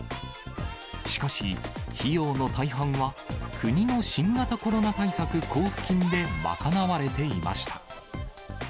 しかし、費用の大半は国の新型コロナ対策交付金で賄われていました。